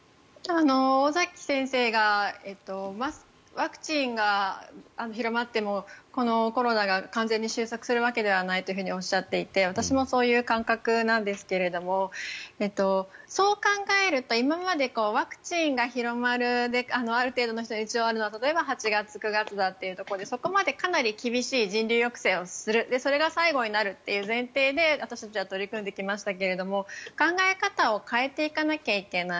尾崎先生がワクチンが広まってもこのコロナが完全に終息するわけではないとおっしゃっていて私もそういう感覚なんですがそう考えると今までワクチンが広まるある程度の人に打ち終わるのは８月、９月だというところでそこまではかなり厳しい人流抑制をするそれが最後になるという前提で私たちは取り組んできましたけど考え方を変えていかなきゃいけない。